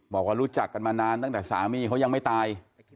บอกว่ารู้จักกันมานานตั้งแต่สามีเขายังไม่ตาย